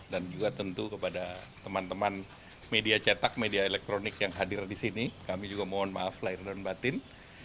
dan juga tentu kepada teman teman media cetak media elektronik yang hadir di sini kami juga mohon maaf lahir dan batin